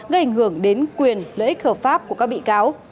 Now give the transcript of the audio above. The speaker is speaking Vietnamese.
gây ảnh hưởng đến quyền lợi ích hợp pháp của các bị cáo